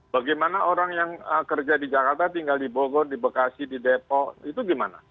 bagaimana orang yang kerja di jakarta tinggal di bogor di bekasi di depok itu gimana